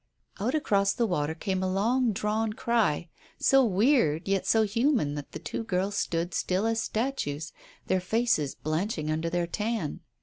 Out across the water came a long drawn cry, so weird yet so human that the two girls stood still as statues, their faces blanching under their tan.